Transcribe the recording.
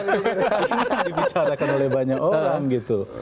ini dibicarakan oleh banyak orang gitu